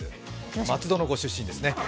松戸のご出身ですね。